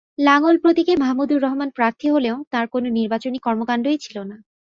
লাঙ্গল প্রতীকে মাহমুদুর রহমান প্রার্থী হলেও তাঁর কোনো নির্বাচনী কর্মকাণ্ডই ছিল না।